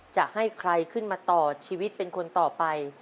จะให้ใครขึ้นมาต่อชีวิตเป็นคนต่อไป